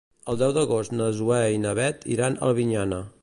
El deu d'agost na Zoè i na Bet iran a Albinyana.